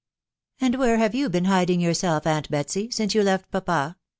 " And where have you been hiding yourself, aunt Betsy, since you left papa